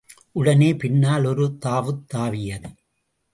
உடனே, பின்னால் ஒரு தாவுத் தாவியது.